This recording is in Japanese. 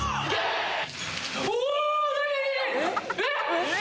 えっ！？